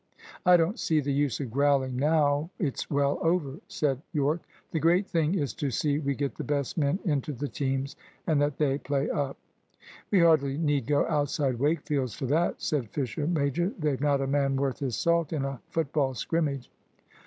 "I don't see the use of growling now it's well over," said Yorke; "the great thing is to see we get the best men into the teams, and that they play up." "We hardly need go outside Wakefield's for that," said Fisher major; "they've not a man worth his salt in a football scrimmage."